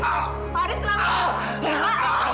pak haris kenapa